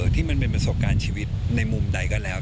ที่มันเป็นประสบการณ์ชีวิตในมุมใดก็แล้ว